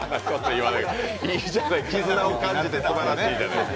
いいじゃない、絆を感じてすばらしいじゃない。